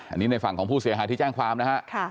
อันนี้ในฝั่งของผู้เสียหายที่แจ้งความนะฮะ